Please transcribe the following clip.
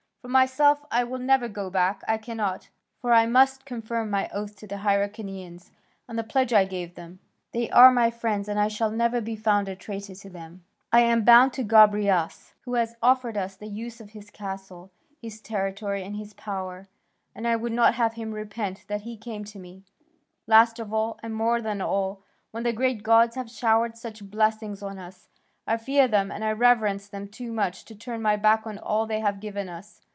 For myself, I will never go back; I cannot, for I must confirm my oath to the Hyrcanians and the pledge I gave them; they are my friends and I shall never be found a traitor to them. Moreover, I am bound to Gobryas, who has offered us the use of his castle, his territory, and his power; and I would not have him repent that he came to me. Last of all, and more than all, when the great gods have showered such blessings on us, I fear them and I reverence them too much to turn my back on all they have given us.